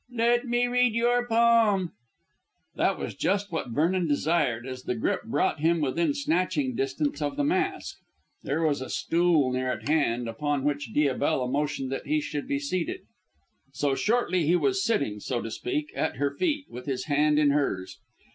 "Let me read your palm." This was just what Vernon desired, as the grip brought him within snatching distance of the mask. There was a stool near at hand, upon which Diabella motioned that he should be seated; so shortly he was sitting, so to speak, at her feet, with his hand in hers.